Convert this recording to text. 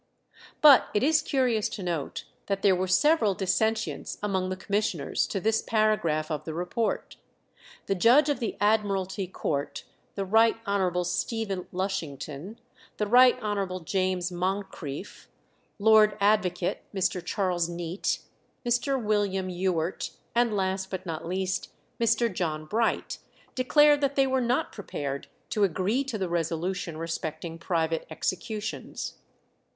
But it is curious to note that there were several dissentients among the commissioners to this paragraph of the report. The judge of the Admiralty Court, the Right Hon. Stephen Lushington, the Right Hon. James Moncrieff, Lord Advocate, Mr. Charles Neate, Mr. William Ewart, and last, but not least, Mr. John Bright declared that they were not prepared to agree to the resolution respecting private executions.